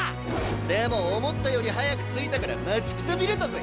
でも思ったより早く着いたから待ちくたびれたぜ！